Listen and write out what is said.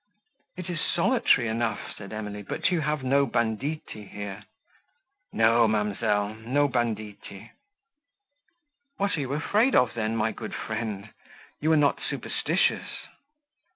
"It is solitary enough," said Emily, "but you have no banditti here." "No, ma'amselle—no banditti." "What are you afraid of then, my good friend? you are not superstitious?"